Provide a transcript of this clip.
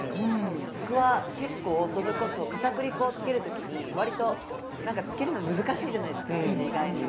僕は結構それこそかたくり粉をつける時に割とつけるの難しいじゃないですか意外に。